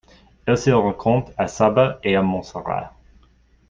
Elle se rencontre à Saba et à Montserrat.